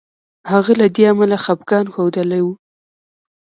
هغه له دې امله خپګان ښودلی وو.